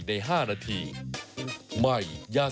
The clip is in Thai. นี่เลย